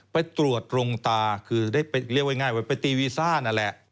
ไปตรวจโรงตาคือได้เรียกว่าง่ายว่าไปตีวีซ่านั่นแหละ